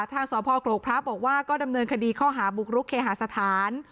ทางสพกรกพระบอกว่าก็ดำเนินคดีข้อหาบุกรุกเคหาสถาน